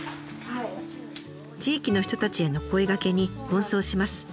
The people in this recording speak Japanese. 地域の人たちへの声がけに奔走します。